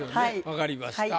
わかりました。